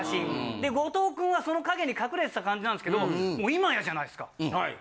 で後藤くんはその影に隠れてた感じなんですけど今やじゃないですか。